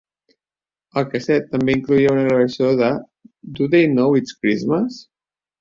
El casset també incloïa una gravació de Do They Know It's Christmas?